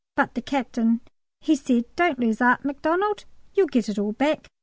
"But the Captain he said, 'Don't lose 'eart, Macdonald, you'll get it all back.'"